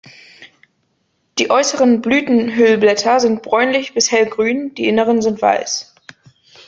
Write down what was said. Die äußeren Blütenhüllblätter sind bräunlich bis hellgrün, die inneren sind weiß.